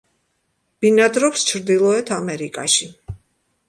ბინადრობს ჩრდილოეთ ამერიკაში.